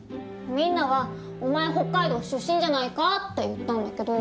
みんなは「お前北海道出身じゃないか」って言ったんだけど。